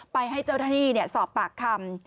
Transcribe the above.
ไปให้เจ้าทะนีสอบปากคำ